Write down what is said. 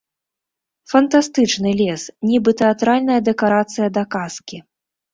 Фантастычны лес, нібы тэатральная дэкарацыя да казкі.